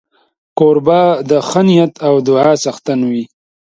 کوربه د ښې نیت او دعا څښتن وي.